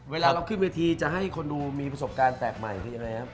เวลาเราขึ้นประธียามีประสบการณ์แตกใหม่คืออะไรครับ